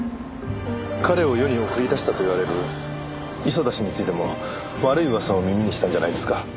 彼を世に送り出したと言われる磯田氏についても悪い噂を耳にしたんじゃないですか？